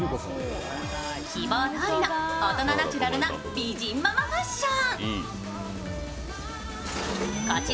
希望どおりの大人ナチュラルな美人ママファッション。